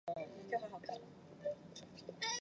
上海市首次以白皮书形式发布法治政府建设情况。